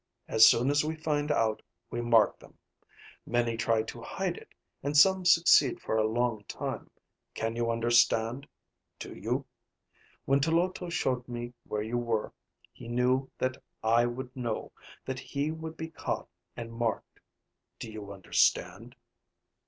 As soon as we find out, we mark them. Many try to hide it, and some succeed for a long time. Can you understand? Do you? When Tloto showed me where you were, he knew that I would know, that he would be caught and marked. Do you understand?"